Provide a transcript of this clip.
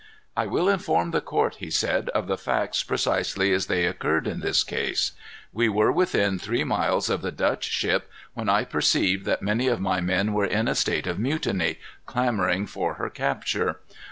"I will inform the court," he said, "of the facts precisely as they occurred in this case. We were within about three miles of the Dutch ship, when I perceived that many of my men were in a state of mutiny, clamoring for her capture.